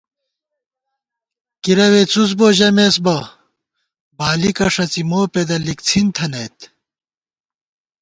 کِرَوےڅُس بؤ ژمېس بہ بالِکہ ݭڅی موپېدہ لِکڅِھن تھنَئیت